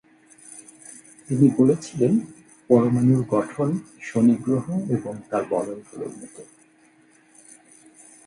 তিনি বলেছিলেন পরমাণুর গঠন শনি গ্রহ এবং তার বলয়গুলোর মত।